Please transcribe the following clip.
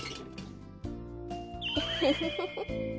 ウフフフフ。